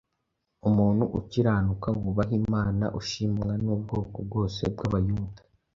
umuntu ukiranuka wubaha Imana, ushimwa n’ubwoko bwose bw’Abayuda,